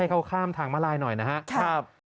เข้าข้ามทางมาลายหน่อยนะครับ